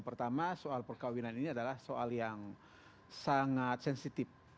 pertama soal perkawinan ini adalah soal yang sangat sensitif